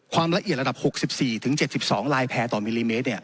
ความละเอียดระดับ๖๔๗๒ลายแพร่ต่อมิลลิเมตร